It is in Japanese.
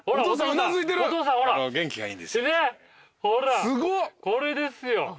ほらこれですよ。